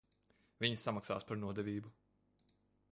Viņi samaksās par nodevību.